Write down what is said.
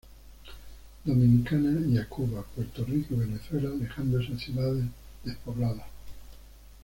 Dominicana y a Cuba, Puerto Rico y Venezuela, dejando esas ciudades despobladas.